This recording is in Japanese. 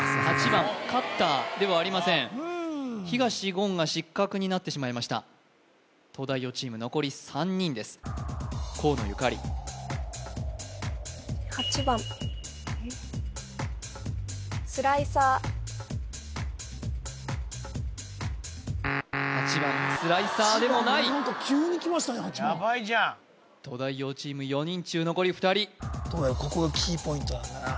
８番カッターではありません東言が失格になってしまいました東大王チーム残り３人です河野ゆかりえっ８番スライサーでもない・ヤバいじゃん東大王チーム４人中残り２人答えれんの？